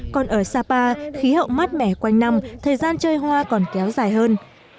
còn ở sapa khí hậu mát mẻ quanh năm thời gian chơi hoa còn kéo dài hơn